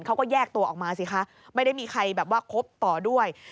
เขาก็แยกตัวออกมาสิคะไม่ได้มีใครแบบว่าคบต่อด้วย